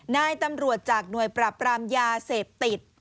นายตำรวจจากหน่วยปราบรามยาเสพติด